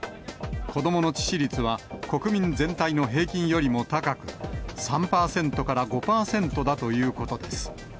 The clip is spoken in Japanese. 子どもの致死率は国民全体の平均よりも高く、３％から５％だということです。